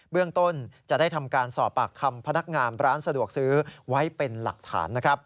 เรื่องต้นจะได้ทำการสอบปากคำพนักงานร้านสะดวกซื้อไว้เป็นหลักฐาน